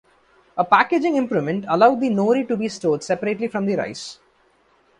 A packaging improvement allowed the nori to be stored separately from the rice.